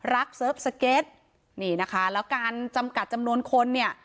เซิร์ฟสเก็ตนี่นะคะแล้วการจำกัดจำนวนคนเนี่ย